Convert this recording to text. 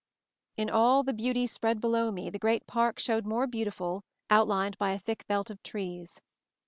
In all the beauty spread below me, the great park showed more beautiful, outlined by a thick belt of trees.